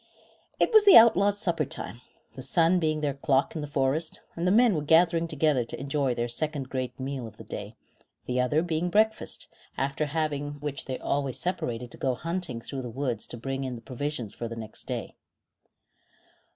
It was the outlaws' supper time, the sun being their clock in the forest; and the men were gathering together to enjoy their second great meal of the day, the other being breakfast, after having which they always separated to go hunting through the woods to bring in the provisions for the next day.